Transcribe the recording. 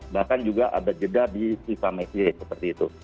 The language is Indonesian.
bahkan juga ada jeda di siva mekie seperti itu